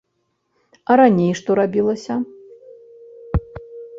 А раней што рабілася!